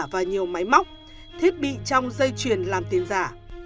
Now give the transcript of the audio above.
và nhiều máy móc thiết bị trong dây chuyền làm tiền giả